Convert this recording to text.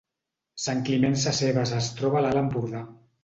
Sant Climent Sescebes es troba a l’Alt Empordà